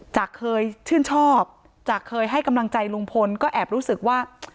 เคยชื่นชอบจากเคยให้กำลังใจลุงพลก็แอบรู้สึกว่า